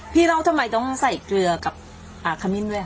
พี่น้องทำไมต้องใส่เกลือกับปลาขมิ้นด้วย